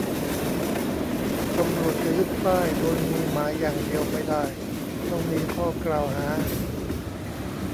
ตำรวจจะยึดป้าย โดยมีหมายอย่างเดียวไม่ได้ ต้องมีข้อกล่าวหา